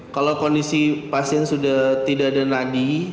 kalau kondisi pasien sudah tidak ada nadi